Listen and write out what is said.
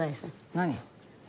何？